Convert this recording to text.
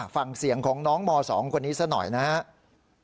ฟังเสียงของน้องม๒คนนี้ซะหน่อยนะครับ